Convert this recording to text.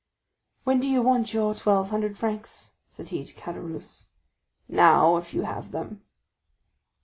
"When do you want your twelve hundred francs?" said he to Caderousse. "Now, if you have them."